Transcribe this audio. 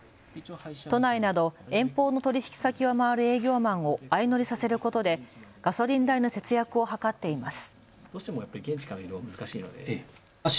都内など遠方の取引先を回る営業マンを相乗りさせることでガソリン代の節約を図っています。